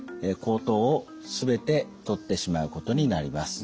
喉頭を全て取ってしまうことになります。